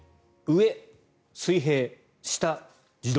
上、水平、下、自動。